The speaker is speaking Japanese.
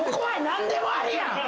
何でもありやん。